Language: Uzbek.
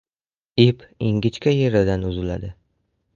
• Ip ingichka yeridan uziladi.